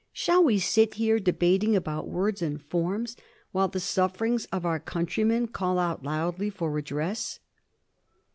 Shall we sit here de bating about words and forms while the sufferings of our countrymen call out loudly for redress